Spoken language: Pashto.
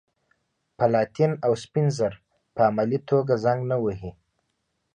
پلاتین او سپین زر په عملي توګه زنګ نه وهي.